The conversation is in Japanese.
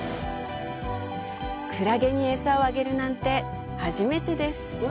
クラゲに餌をあげるなんて初めてです！